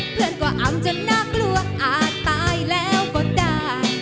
เพื่อนก็อำจนน่ากลัวอาจตายแล้วก็ได้